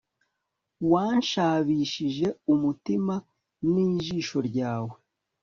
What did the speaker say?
wanshabishije umutima n ijisho ryawe